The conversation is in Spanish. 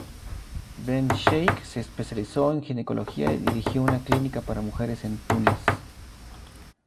Ben Sheikh se especializó en ginecología y dirigió una clínica para mujeres en Túnez.